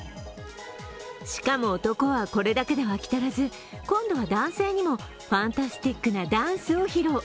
しかも、男はこれだけでは飽き足らず今度は男性にもファンタスティックなダンスを披露。